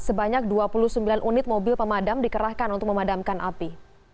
sebanyak dua puluh sembilan unit mobil pemadam dikerahkan untuk memadamkan api